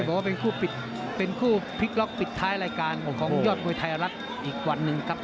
บอกว่าเป็นคู่ปิดเป็นคู่พลิกล็อกปิดท้ายรายการของยอดมวยไทยรัฐอีกวันหนึ่งครับ